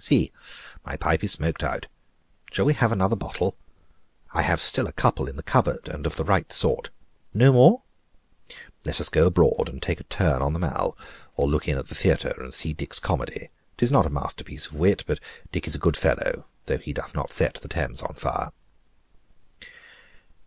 "See, my pipe is smoked out. Shall we have another bottle? I have still a couple in the cupboard, and of the right sort. No more? let us go abroad and take a turn on the Mall, or look in at the theatre and see Dick's comedy. 'Tis not a masterpiece of wit; but Dick is a good fellow, though he doth not set the Thames on fire."